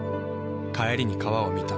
帰りに川を見た。